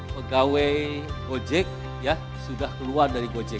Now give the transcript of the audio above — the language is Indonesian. pegawai gojek ya sudah keluar dari gojek